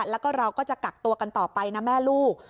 แล้วก็เราก็จะกักตัวกันต่อไปนะแม่ลูก